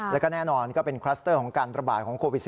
แล้วก็แน่นอนก็เป็นคลัสเตอร์ของการระบาดของโควิด๑๙